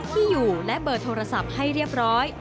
ที่อยู่และเบอร์โทรศัพท์ให้เรียบร้อย